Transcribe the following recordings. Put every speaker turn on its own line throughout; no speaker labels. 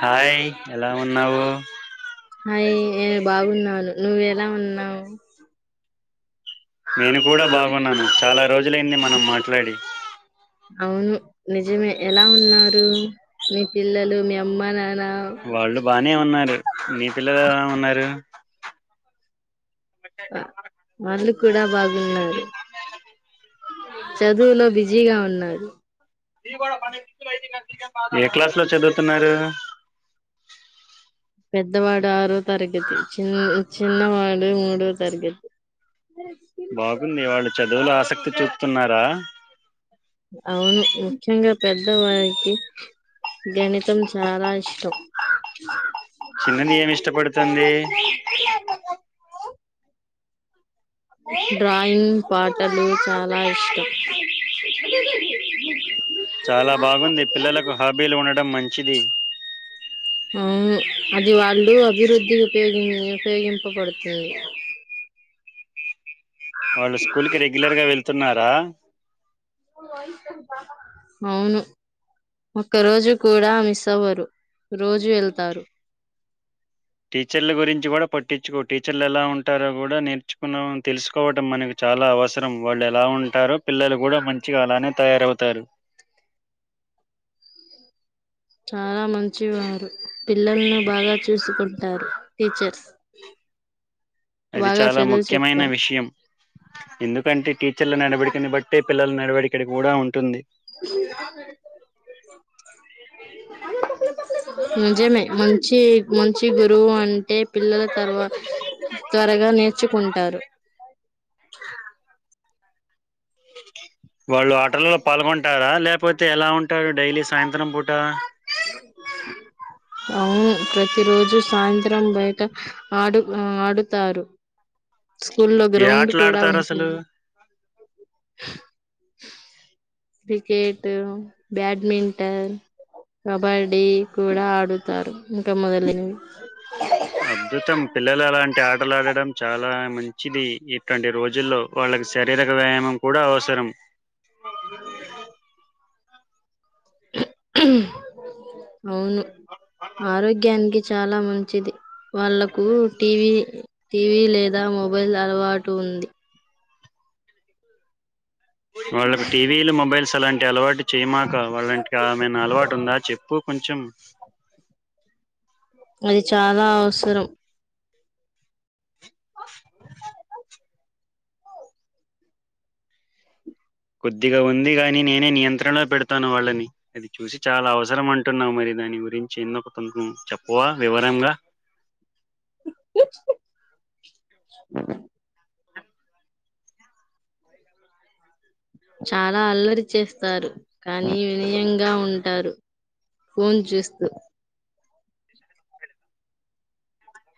hi ఎలా ఉన్నావు
hi ఏ బాగున్నాను నువ్వెలా ఉన్నావు నేను కూడా దతు
బాగున్నాను
చాలా రోజులు
రోజులైంది మనం మాట్లాడి
అవును నిజమే ఎలా ఉన్నారు మీ పిల్లలు మీ అమ్మ నాన్న
వాళ్ళు బానే ఉన్నారు నీ పిల్లలు ఎలా ఉన్నారు
వాళ్ళు కూడా బాగున్నారు చదువులో బిజీగా ఉన్నారు
ఏ క్లాసు లో
క్లాసులు
చదువుతున్నారు
చెపిస్తున్నారు పెద్దవాడు ఆరోవ తరగతి చిను చిన్నవాడు మూడవ తరగతి
బాగుంది వాళ్లు చదువులో ఆసక్తి చూపుతున్నారా
అవును ముఖ్యంగా పెద్ద వారికి గణితం చాలా ఇష్టం
చిన్నది ఏమి ఇష్టపడుతుంది
ఎక్క డ్రాయింగ్ పాటలూ చాలా ఇష్టం
చాలా బాగుంది పిల్లలకు హాబీలు ఉండడం మంచిది
అవును అది వాళ్ళు అభివృద్ధి ఉపయోగిం ఉపయోగింపబడుతది
వాళ్ళు స్కూల్కి రెగ్యులర్ గా వెళ్తున్నారా
అవును ఒక్క రోజు కూడా మిస్ అవ్వరు రోజూ వెళ్తారు
టీచర్ల గురించి గూడా పట్టించుకో టీచర్లెలా ఉంటారో గూడా నేర్చుకున్నా తెలుసుకోవటం మనకి చాలా అవసరం వాళ్లెలా ఉంటారో పిల్లలు గూడా మంచిగ అలానే తయారవుతారు
చాలా మంచి వారు పిల్లల్ని బాగా చూసుకుంటారు టీచర్స్
అది
బాగా
చాలా
చదువు
ముఖ్యమైన
చెప్తారు
విషయం ఎందుకంటే టీచర్ల నడబడికని బట్టే పిల్లల నడవడికడి గూడా ఉంటుంది
[inaudible] నిజమే మంచీ మంచి గురువు అంటే పిల్లల తర్వా త్వరగా నేర్చుకుంటారు
వాళ్ళు ఆటలలో పాల్గొంటారా లేపోతే ఎలా ఉంటారు డైలీ సాయంత్రం పూటా
అవును ప్రతి రోజు సాయంత్రం బయట ఆడు ఆ ఆడుతారు స్కూల్లో
ఏ
గ్రౌండ్
ఆటలు
కూడా
ఆడతారు అసలు
ఉంటుంది క్రికేట్ బ్యాడ్మింటన్ కబాడ్డీ కూడా ఆడుతారు ఇంకా మొదలైనవి
అద్భుతం పిల్లలలాంటి ఆటలాడడం చాలా మంచిది ఇటువంటి రోజుల్లో వా శరీరక వ్యాయామం కూడా అవసరం
అ అవును ఆరోగ్యానికి చాలా మంచిది వాళ్లకూ టీవీ టీవీ లేదా మొబైల్ అలవాటు ఉంది
వాళ్ళకి టీవీలు మొబైల్స్ అలాంటి అలవాటు చేయమాక వల్లాంటి కా మైనా అలవాటుందా చెప్పు కొంచం
అది చాలా అవసరం
కొద్దిగా ఉంది గానీ నేనే నియంత్రణ [inaudible] పెడతాను వాళ్ళని అది చూసి చాలా అవసరం అంటున్నాం మరి దాని గురించి ఎన్నొ కథలు [inaudible] చెప్పవా వివరంగా
చాలా అల్లరి చేస్తారు కానీ వినయంగా ఉంటారు ఫోన్ చూస్తూ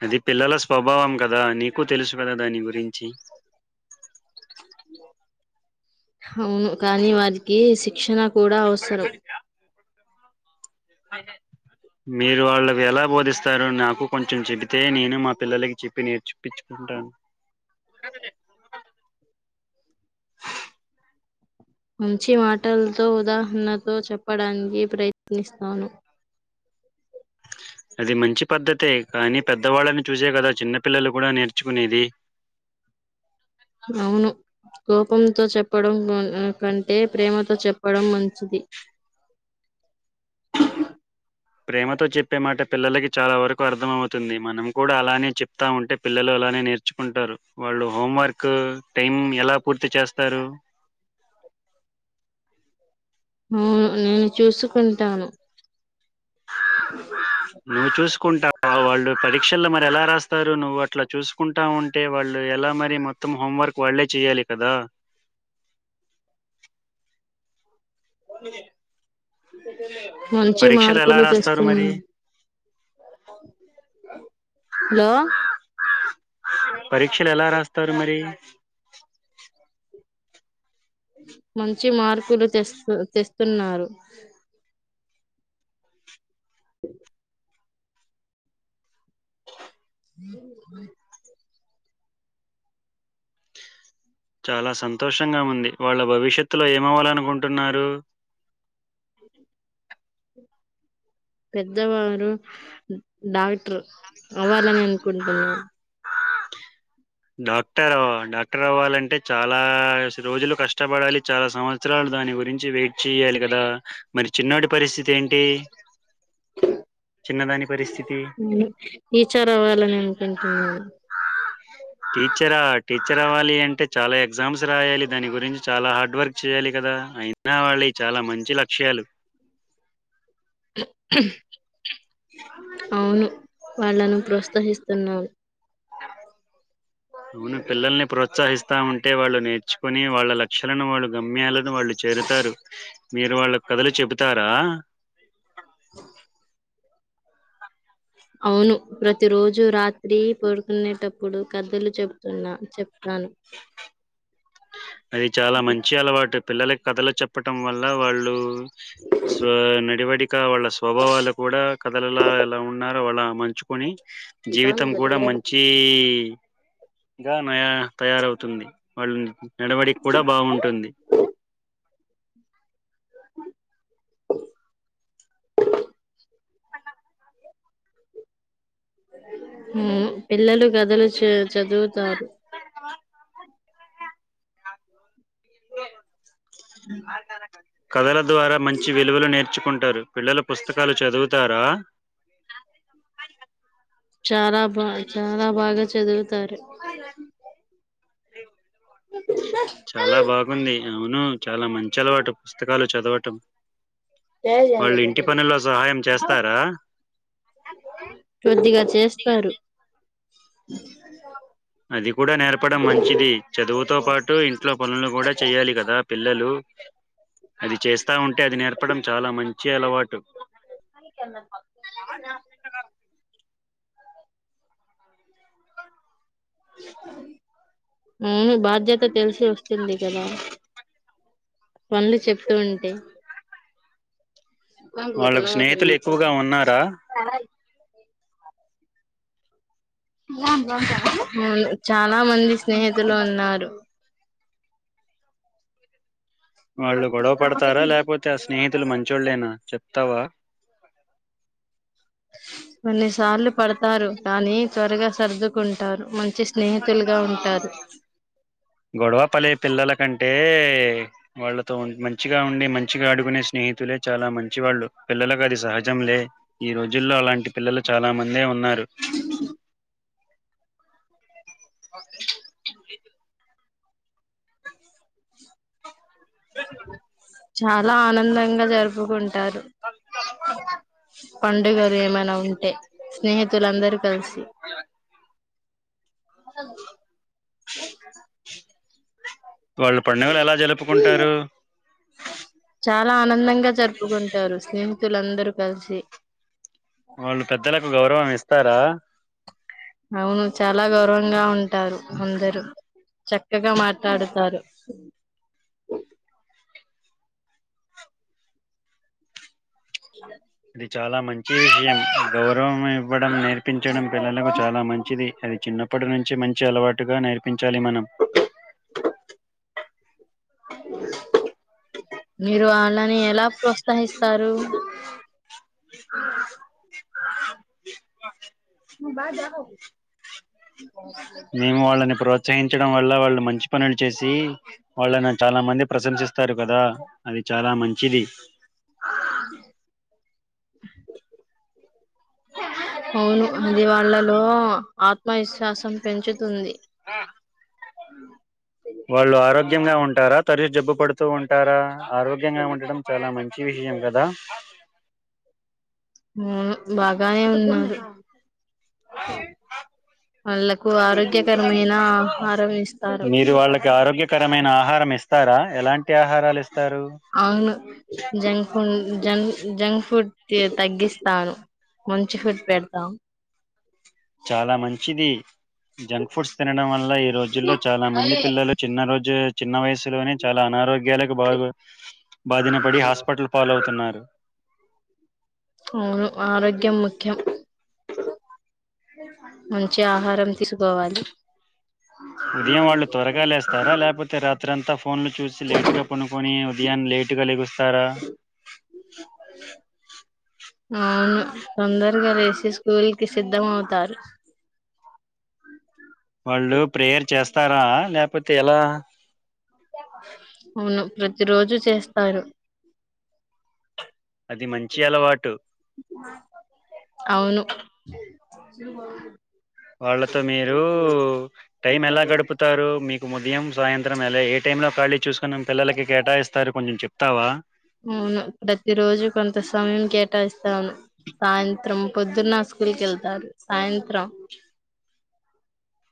అది పిల్లల స్వభావం కదా నీకూ తెలుసు గదా దాని గురించి
హవును కానీ వారికీ శిక్షణ కూడా అవసరం
[unintelligible] మీరు వాళ్ళకు ఎలా బోధిస్తారో నాకూ కొంచెం చెబితే నేనూ మా పిల్లలకి చెప్పి నేర్చ్ పుచ్చు టన్ [inaudible]
మంచి మాటల్తో ఉదాహరణతో చెప్పడానికి ప్రయత్నిస్తాను
అది మంచి పద్దతే కానీ పెద్దవాళ్ళని చూసే గదా చిన్న పిల్లలు గుడా నేర్చుకునేది
అవును కోపంతో చెప్పడం కంటే ప్రేమతో చెప్పడం మంచిది
ప్రేమతో చెప్పే మాట పిల్లలకి చాలా వరకు అర్థమవుతుంది మనం కూడా అలానే చెప్తా ఉంటే పిల్లలు అలానే నేర్చుకుంటారు వాళ్ళు హోం వర్క్ టైం ఎలా పూర్తి చేస్తారు
అవును నేను చూసుకుంటాను
నువ్ చూస్ వాళ్ళు పరీక్షల్లో మరి ఎలా రాస్తారు నువ్వు అట్లా చూసుకుంటా ఉంటే వాళ్ళు ఎలా మరి మొత్తం మొత్తం హోంవర్క్ వాళ్ళే చెయ్యాలి కదా
మంచి
పరీక్షలు ఎలా
మార్కులు
రాస్తారు మరి
తెస్తున్నారు లో
పరీక్షలు ఎలా రాస్తారు మరి
మంచి మార్కులు తెస్తున్నారు ఏ [unintelligible]
చాలా సంతోషంగా ఉంది వాళ్ల భవిష్యత్తులో ఏమవాలనుకుంటున్నారు
ఉ పెద్దవారు డాక్టర్ అవ్వాలని అనుకుంటున్నారు
డాక్టర్ అవ డాక్టర్ అవ్వాలంటే చాలా రోజులు కష్టపడాలి చాలా సంవత్సరాలు దాని గురించి వెయిట్ చెయాలి కదా మరి చిన్నోడి పరిస్థితి ఏంటి చిన్నదాని పరిస్థితి
నేను టీచర్ అవ్వాలని అనుకుంటున్నాను
టీచరా టీచర్ అవ్వాలి అంటే చాలా ఎగ్జామ్స్ రాయాలి దాని గురించి చాలా హార్డ్ వర్క్ చేయాలి కదా అయినా వాళ్ళవి చాలా మంచి లక్ష్యాలు
అవును వాళ్ళను ప్రోత్సహిస్తున్నాను
రూల్ పిల్లల్ని ప్రోత్సాహిస్తా వస్తా ఉంటే వాళ్ళు నేర్చుకుని వాళ్ళ లక్షలను వాళ్ళు గమ్యాలని వాళ్ళు చేరుతారు మీరు వాళ్ళకు కథలు చెబుతారా
అవును ప్రతి రోజు రాత్రి పడుకునేటప్పుడు కద్దలు చెప్తున్నా చెప్తాను అను
అది చాలా మంచి అలవాటు పిల్లలకి కథలు చెప్పటం వల్ల వాళ్ళు స్ నడవడిక ఇంకా వాళ్ళ స్వభావాలు కూడా కథలలో ఎలా ఉన్నారో వాళ్ళ మలచుకొని జీవితం
అవును,
కూడా మంచి ఇంకా నయా తయారవుతుంది వాళ్ళు నడవడిక కూడా బాగుంటుంది
ఉ పిల్లలు కథలు చ చదువుతారు
కదల ద్వారా మంచి విలువలు నేర్చుకుంటారు పిల్లలు పుస్తకాలు చదువు తర
చాలా బా చాలా బాగా చదువుతారు
చాలా బాగుంది అవును చాలా మంచి అలవాటు పుస్తకాలు చదవటం వాళ్ళు ఇంటి పనుల్లో సహాయం చేస్తారా
కొద్దిగా చేస్తారు
అది [unintelligible] అది కూడా నేర్పడం మంచిది చదువుతో పాటు ఇంట్లో పనులు కూడా చెయాలి కదా పిల్లలు అది చేస్తా ఉంటే అది నేర్పడం చాలా మంచి అలవాటు
పనికి వెళ్దాం పా ఉ బాధ్యత్ త తెలిసి వస్తుంది కదా పనులు చెప్తూ ఉంటే బ్యాంకు పోతున
వాళ్ళకు స్నేహితులు
ఒకరు
ఎక్కువగా ఉన్నారా
ను చానా మంది స్నేహితులు ఉన్నారు
వాళ్ళు గొడవ పడతారా లేకపోతే ఆ స్నేహితులు మంచోళ్లేనా చెప్ తవా
కొన్ని సార్లు పడతారు కానీ త్వరగా సర్దుకుంటారు మం చి స్నేహితులుగా ఉంటారు
చెప్పలే పిల్లల కంటే వాళ్ళతో మంచిగా ఉండి మంచిగా ఆడుకునే స్నేహితులే చాలా మంచివాళ్ళు పిల్లలకు అది సహజం లే ఈ రోజుల్లో అలాంటి పిల్లలు చాలా మందే ఉన్నారు ఓకే
చాలా ఆనందంగా జరుపుకుంటారు పండుగలు ఏమైనా ఉంటే స్నేహితులుందరు కలిసి
వాళ్ళు పండుగలు ఎలా జరుపుకుంటారు
చాలా ఆనందంగా జరుపుకుంటారు స్నేహితులుందరూ కలిసి
వాళ్ళు పెద్దలకు గౌరవం ఇస్తారా
అవును చాలా గౌరవంగా ఉంటారు అందరు చక్కగా మాట్లాడుతారు
ఇది చాలా మంచి విషయం గౌరవం ఇవ్వడం నేర్పించడం పిల్లలకు చాలా మంచిది అది చిన్నప్ ఇప్పుడు నుంచి మంచి అలవాటుగా నేర్పి
మీరు వాళ్ళని ఎలా ప్రోత్సహిస్తారు ఉ బా జాహౌ
మేము వాళ్ళని ప్రోత్సహించడం వల్ల వాళ్ళు మంచి పనులు చేసి వాళ్ళని చాలా మంది ప్రశంసి వస్తారు కదా అది చాలా మంచిది
అవును అది వాళ్ళలో ఆత్మవిశ్వాసం పెంచుతుంది
ఆ వాళ్ళు ఆరోగ్యంగా ఉంటారా తరచు జబ్బు పడుతూ ఉంటారా ఆరోగ్యంగా ఉండటడం చాలా మంచి విష విషయం కదా
ఉ బాగానే ఉన్నారు వాళ్ళలకు ఆరోగ్యకరమైనా ఆహారం ఇస్తారు
మేస్తారా ఎలాంటి ఆహారాలు ఇస్
అవును జంక్ ఫుడ్ జం జంక్ ఫుడ్ ది తగ్గిస్తాను మంచి ఫుట్ పెడతా
చాలా మంచిది జంక్ ఫుడ్స్ తినడం వల్ల ఏక్ ఈ రోజుల్లో చాలా మంది పిల్లలు చిన్న రోజు చిన్న వయసులోనే చాలా అనారోగ్యాలకు బాగు బాధిన పడి హాస్పిటల్ పాలవుతున్నారు
అవును ఆరోగ్యం ముఖ్యం మంచి ఆహారం తీసుకోవాలి
ఉదయం వాళ్ళు త్వరగా లేస్తారా లేకపోతే రాత్రి అంతా పో ఫోన్లు చూసి లేటుగా పనుకొని ఉదయం లేటుగా లెగుస్తారా
అవును తొందరగా లేసి స్కూల్ కి సిద్ధం అవుతారు
వాళ్ళు ప్రేయర్ చేస్తారా లేకపోతే ఎలా
అవును ప్రతి రోజు చేస్తారు
అది మంచి అలవాటు
అవును [unintelligible]
వాళ్ళతో మీరు టైం ఎలా గడుపుతారు మీకు ఇప్పు ఉదయం సాయంత్రం ఎలా ఏ టైమ్ లో ఖాళీ చూసుకున్నాం పిల్లలకి కేటాయిస్తారు కొంచెం చెప్తావా
అవును ప్రతి రోజు కొంత సమయం కేటాయిస్తాను సాయంత్రం పొద్దున్న స్కూల్ క వెళ్తారు సాయంత్రం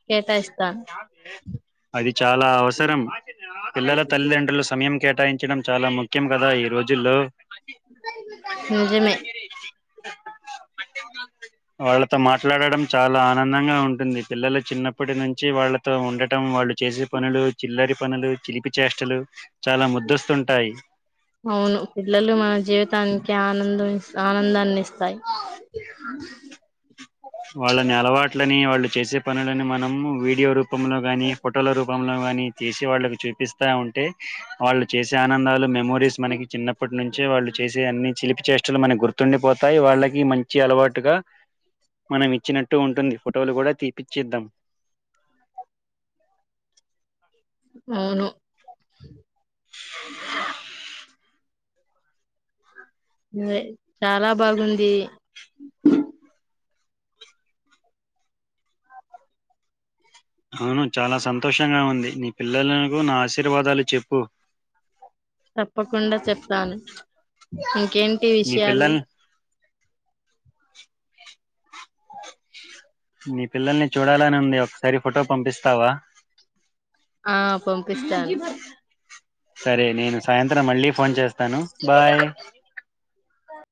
కేటా ఇస్త
అది చాలా అవసరం పిల్లల తల్లిదండ్రులు సమయం కేటాయించి ఇడం చాలా ముఖ్యం కదా ఈ రోజుల్లో
నిజమే
వాళ్ళతో మాట్లాడడం చాలా ఆనందంగా ఉంటుంది పిల్లలు చిన్నప్పటి నుంచి వ వాళ్ళతో ఉండటం వాళ్ళు చేసే పనులు చిల్లరి పనులు చిలిపి చేష్టలు చాలా ముద్దస్తుంటాయి
అవును పిల్లలు మన జీవితానికి ఆనందం ఇస్త ఆనందాన్ని ఇస్తాయి
వాళ్ళని అలవాట్లని వాళ్ళు చేసే పనులని మనం వీడియో రూపంలో గాని ఫోటోల రూపం లో కాని చేసి వాళ్ళకి చూపిస్తా ఉంటే వాళ్ళు చేసే ఆనందాలు మెమోరీస్ మనకి చిన్నప్పటి నుంచే వాళ్ళు చేసే అన్ని చిలిపి చేష్టలు మనకి గుర్తుండిపోతాయి వాళ్ళకి మంచి వచ్చి అలవాటుగా మనం ఇచ్చినట్టు ఉంటుంది ఫోటోలు కూడా తీపిచ్చిద్దాం
అవును చాలా బాగుంది
అవును చాలా సంతోషంగా ఉంది నీ పిల్లలకు నా ఆశీర్వాదాలు చెప్పు
తప్పకుండా చెప్తాను ఇంకేంటి
నీ
విషయాలు
పిల్లల్ మీ పిల్లల్ని చూడాలని ఉంది ఒకసారి ఫోటో పంపిస్తావా
ఆ పంపిస్తాను
సరే నేను సాయంత్రం మళ్ళీ ఫోన్ చేస్తాను బాయ్